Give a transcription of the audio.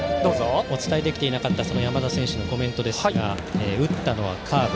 お伝えできていなかった山田選手のコメントですが打ったのはカーブ。